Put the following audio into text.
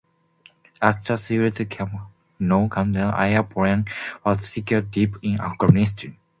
After securing Camp Rhino, Kandahar Airport was secured deep in Afghanistan.